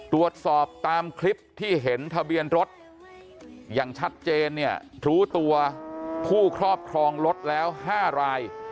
ตรวจสอบตามคลิปที่เห็นทะเบียนรถอย่างชัดเจนเนี่ยรู้ตัวผู้ครอบครองรถแล้ว๕ราย